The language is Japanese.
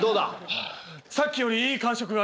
さっきよりいい感触があります。